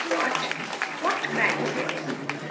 "What what?" cried the boys.